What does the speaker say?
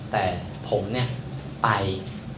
แต่ผมเนี่ยไป